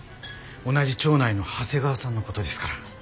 同じ町内の長谷川さんのことですから。